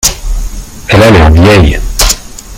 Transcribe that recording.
Elle a l’air vieille.